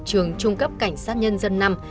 trường trung cấp cảnh sát nhân dân nam